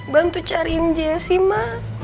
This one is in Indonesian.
bantu cariin jessy ma